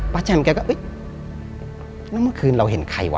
ป่าแจ่มแกก็เอ๊ะแล้วเมื่อคืนเราเห็นใครวะ